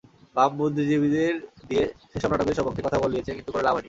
বাম বুদ্ধিজীবীদের দিয়ে সেসব নাটকের সপক্ষে কথা বলিয়েছে কিন্তু কোনো লাভ হয়নি।